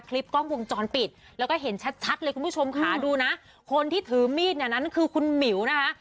คลิปกล้องวงจรปิดแล้วก็เห็นชัดเลยคุณผู้ชมค่ะดูนะคนที่ถือมีดเนี่ยนั้นคือคุณหมิวนะคะ